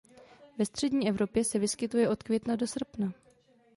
Ve střední Evropě se vyskytuje od května do srpna.